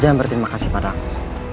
jangan berterima kasih padaku